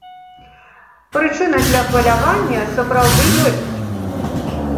Прычына для хвалявання, сапраўды, ёсць.